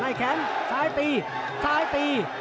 ในแข็งสายตีข้ายตี